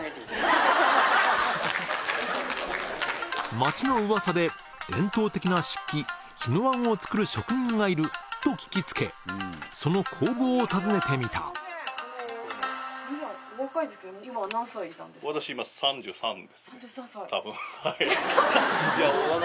町のうわさで「伝統的な漆器日野椀を作る職人がいる」と聞き付けその工房を訪ねてみた３３歳。